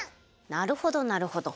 なるほどなるほど！